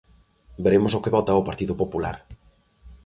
Veremos o que vota o Partido Popular.